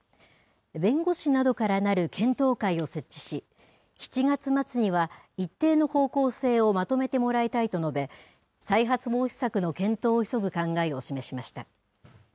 弁護士などからなる検討会を設置し７月末には一定の方向性をまとめてもらいたいと述べ再発防止策の検討を急ぐ考えを示しました。